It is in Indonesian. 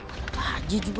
ada kaki juga